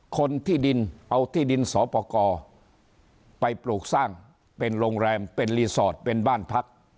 คนที่ดินเอาที่ดินสอปกรไปปลูกสร้างเป็นโรงแรมเป็นรีสอร์ทเป็นบ้านพัก